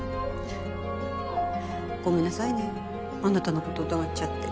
ごめんなさいねあなたのこと疑っちゃって。